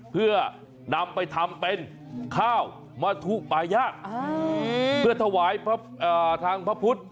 เพื่อนำไปทำเป็นข้าวมทุปายะเพื่อถวายทางพระพุทธ